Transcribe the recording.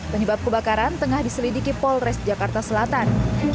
penyebab kebakaran tengah diselidiki polres jakarta selatan